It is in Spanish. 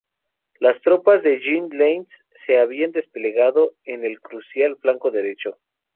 Las tropas de Jean Lannes se habían desplegado en el crucial flanco derecho.